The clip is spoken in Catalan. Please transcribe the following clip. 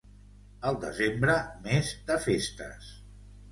El desembre, mes de festes.